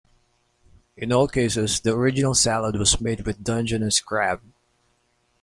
In all cases, the original salad was made with Dungeness crab.